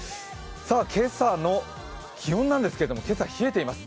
今朝の気温なんですが今朝、冷えています。